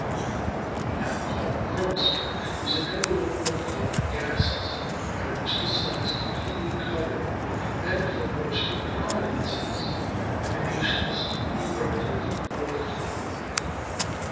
What we now call the "chromosphere" is an envelope of glowing gases, by which the sun is completely covered, and from which the "prominences" are emanations, eruptive or flame like.